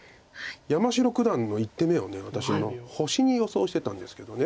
山城九段の１手目を私星に予想してたんですけど。